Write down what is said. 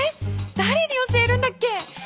だれに教えるんだっけ？